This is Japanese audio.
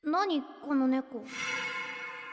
この猫。